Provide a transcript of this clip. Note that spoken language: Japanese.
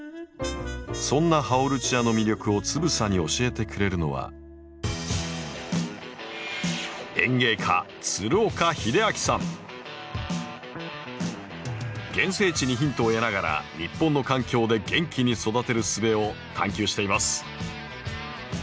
そんなハオルチアの魅力をつぶさに教えてくれるのは原生地にヒントを得ながら日本の環境で元気に育てるすべを探求しています。